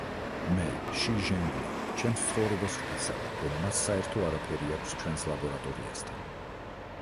მე, ში ჟენგლი, ჩემს ცხოვრებას ვფიცავ, რომ მას საერთო არაფერი აქვს ჩვენს ლაბორატორიასთან.